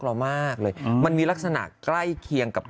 ดำเนินคดีต่อไปนั่นเองครับ